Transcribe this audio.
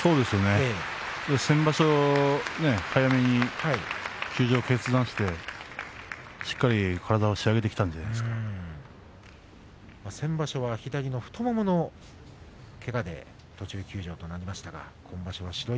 先場所早めに休場を決断して、しっかりと体を先場所は左の太もものけがで途中休場になりました。